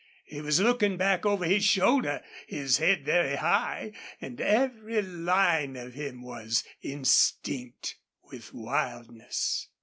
He was looking back over his shoulder, his head very high, and every line of him was instinct with wildness.